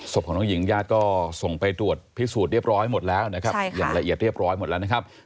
ศพของน้องหญิงญาติก็ส่งไปตรวจพิสูจน์เรียบร้อยหมดแล้วนะครับอย่างละเอียดเรียบร้อยหมดแล้วนะครับ